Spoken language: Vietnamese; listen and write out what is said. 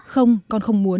không con không muốn